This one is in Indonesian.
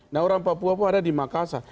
nah orang papua itu ada di makassar